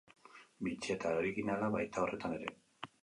Bitxia eta originala, baita horretan ere.